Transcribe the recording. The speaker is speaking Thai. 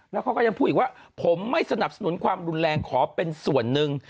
แล้วเขาก็ยังพูดอีกว่าผมไม่สนับสนุนความรุนแรงขอเป็นส่วนหนึ่ง